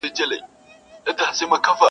یا به یې واک نه وي یا ګواښلی به تیارو وي چي.